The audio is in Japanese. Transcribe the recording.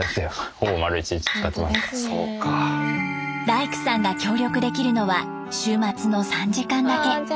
大工さんが協力できるのは週末の３時間だけ。